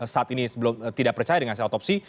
saat ini sebelum tidak percaya dengan hasil otopsi